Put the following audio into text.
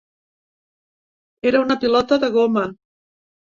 Era una pilota de goma.